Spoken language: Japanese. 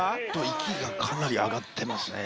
息がかなり上がってますね